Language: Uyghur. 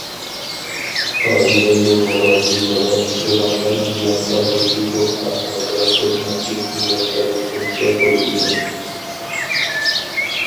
ئائىلە زۇلمىغا زىيىنىغا ئۇچرىغانلار زىيان سالغۇچى يوق ئەھۋالدا سوت مەھكىمىسىگە ئەرز سۇنسا بولىدىكەن.